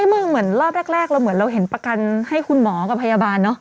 เฮ้ยมึงเหมือนรอบแรกเราเห็นประกันให้คุณหมอกับพยาบาลเนอะ